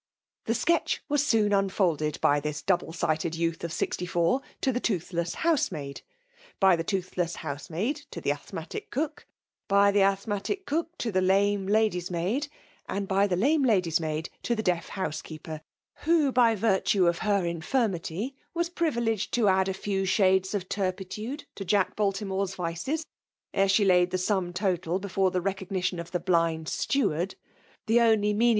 The sketch was soon unfolded by tUb double sighted youth of sixiy four to the toothless housemaid^ by the toothless house* maid to the asthmatic cook, by the aethmaiac eook to the lame lady's maid« and by the laaie lady's maid to the deaf housdceeper ; who» by virtue of her infirmity, was privSsged to add a few shades of turpitude to Jack Baltimore's vieos, ate she laid the sum total befere the jscognitkm of the bUnd stewaxd, the only miALE DOMlHAItOIC.